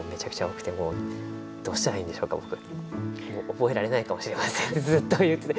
覚えられないかもしれませんってずっと言ってて。